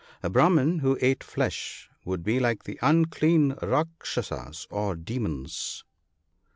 A Brahman who ate flesh would be like the unclean " Kdkshasas" or demons.